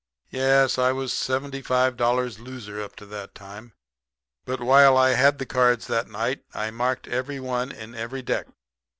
"Yes, I was seventy five dollars loser up to that time. But while I had the cards that night I marked every one in every deck.